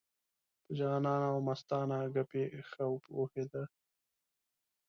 په جانانه او مستانه ګپې ښه پوهېده.